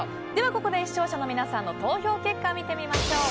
ここで視聴者の皆さんの投票結果見てみましょう。